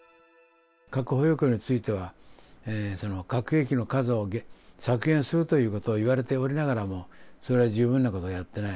核保有国については、核兵器の数を削減するということをいわれておりながらも、それは十分なことをやってない。